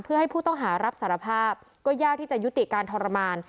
เพื่อให้ผู้ต้องหารับสารภาพก็ยากที่จะยุติการทรมาน